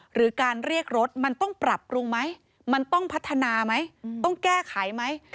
หรือการเรียกรถมันต้องปรับปรุงไหมมันต้องพัฒนาไหมต้องแก้ไขไหม